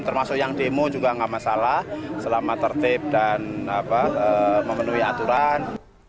termasuk yang demo juga nggak masalah selama tertib dan memenuhi aturan